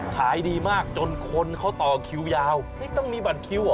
ขายดีมากจนคนเขาต่อคิวยาวต้องมีบัตรคิวเหรอ